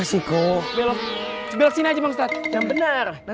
assalamualaikum ya ahli neraka